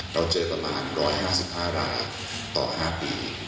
เราเจอประมาณ๑๕๕รายต่อ๕ปี